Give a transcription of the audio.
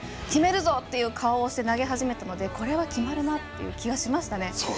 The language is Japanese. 決めるぞ！っていう顔をして投げ始めましたのでこれは決めるなって思いました。